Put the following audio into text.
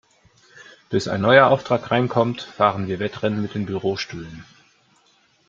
Bis ein neuer Auftrag reinkommt, fahren wir Wettrennen mit den Bürostühlen.